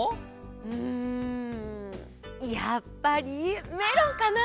うんやっぱりメロンかな！